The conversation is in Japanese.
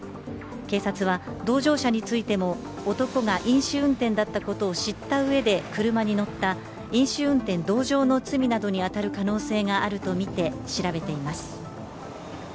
警察は同乗者についても、男が飲酒運転だったことを打ったうえで車に乗った飲酒運転同乗の罪などに当たる可能性があるとみて調べています。